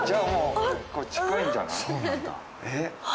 近いんじゃない？